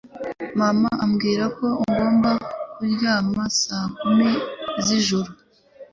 Mama ambwira ko ngomba kuryama saa kumi z'ijoro